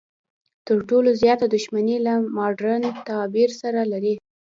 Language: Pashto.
تر ټولو زیاته دښمني له مډرن تعبیر سره لري.